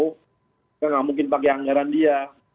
kita nggak mungkin pakai anggaran dia